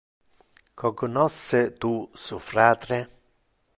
Cognosce tu su fratre?